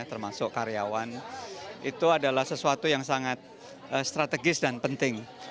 termasuk karyawan itu adalah sesuatu yang sangat strategis dan penting